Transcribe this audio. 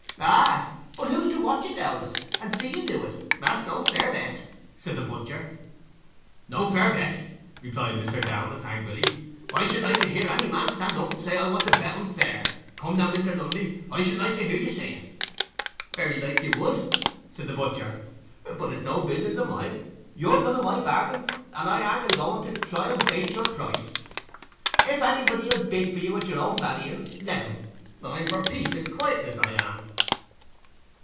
"Ah, but who's to watch you, Dowlas, and see you do it? That's no fair bet," said the butcher. "No fair bet?" replied Mr. Dowlas, angrily. "I should like to hear any man stand up and say I want to bet unfair. Come now, Master Lundy, I should like to hear you say it." "Very like you would," said the butcher. "But it's no business o' mine. You're none o' my bargains, and I aren't a going to try and 'bate your price. If anybody 'll bid for you at your own vallying, let him. I'm for peace and quietness, I am."